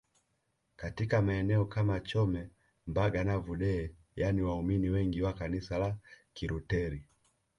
Katika maeneo kama Chome Mbaga na Vudee yana waumini wengi wa kanisala la Kiluteri